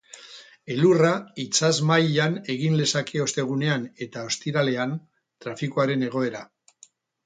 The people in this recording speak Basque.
Elurra itsas mailan egin lezake ostegunean eta ostiralean, trafikoaren egoera.